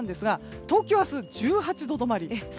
東京、明日１８度止まり。